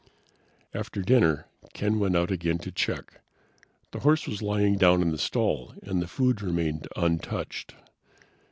After dinner, Ken went out again to check. The horse was lying down in the stall and the food remained untouched.